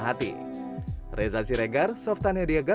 dan kita sebaiknya mengkonsumsinya seperti apa